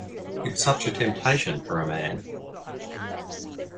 It's such a temptation for a man.